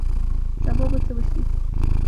سبا به څه وشي